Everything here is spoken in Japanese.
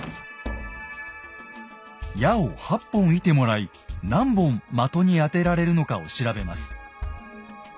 矢を８本射てもらい何本的に当てられるのかを調べます。